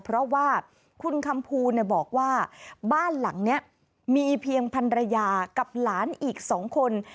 เพราะว่าคุณคำภูบอกว่าบ้านหลังนี้มีเพียงพันรยากับหลานอีก๒คน